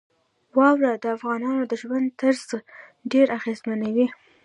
واوره د افغانانو د ژوند طرز ډېر اغېزمنوي.